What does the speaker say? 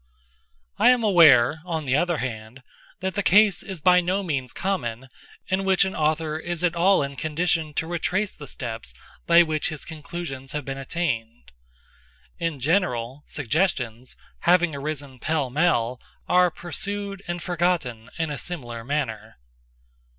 I am aware, on the other hand, that the case is by no means common, in which an author is at all in condition to retrace the steps by which his conclusions have been attained. In general, suggestions, having arisen pell mell, are pursued and forgotten in a similar manner.